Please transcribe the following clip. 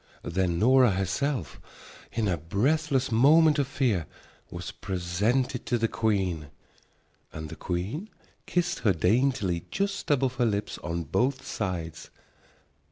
Then Nora herself, in a breathless moment of fear, was presented to the queen, and the queen kissed her daintily just above her lips on both sides.